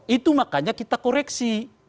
itu makanya kita koreksi